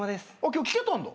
今日来てたんだ？